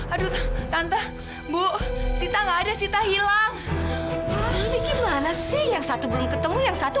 aduh tante bu sita nggak ada sita hilang ini gimana sih yang satu belum ketemu yang satu